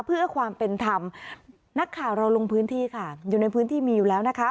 เพื่อความเป็นธรรมนักข่าวเราลงพื้นที่ค่ะอยู่ในพื้นที่มีอยู่แล้วนะคะ